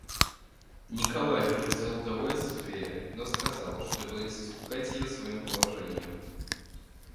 Николай выразил удовольствие, но сказал, что боится испугать ее своим положением.